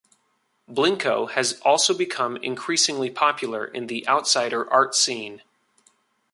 Blinko has also become increasingly popular in the outsider art scene.